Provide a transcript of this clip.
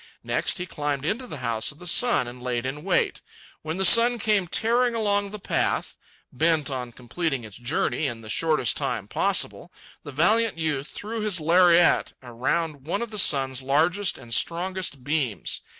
Next he climbed into the House of the Sun and laid in wait. When the sun came tearing along the path, bent on completing its journey in the shortest time possible, the valiant youth threw his lariat around one of the sun's largest and strongest beams.